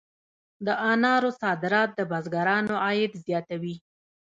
د انارو صادرات د بزګرانو عاید زیاتوي.